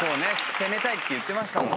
攻めたいって言ってましたもんね。